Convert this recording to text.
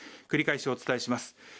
繰り返しお伝えします